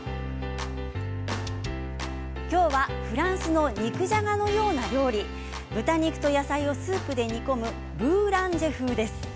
今日はフランスの肉じゃがのような料理豚肉と野菜をスープで煮込むブーランジェ風です。